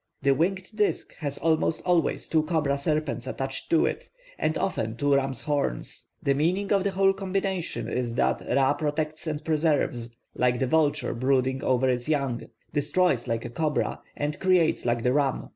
The winged disk has almost always two cobra serpents attached to it, and often two rams' horns; the meaning of the whole combination is that Ra protects and preserves, like the vulture brooding over its young, destroys like the cobra, and creates like the ram.